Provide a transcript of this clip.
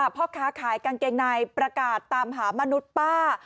พ่อค้าขายกางเกงในประกาศตามหามนุษย์ป้า